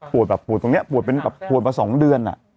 ปวดแบบปวดตรงเนี้ยปวดเป็นประมาณ๒เดือนอะ